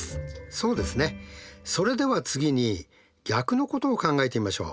それでは次に逆のことを考えてみましょう。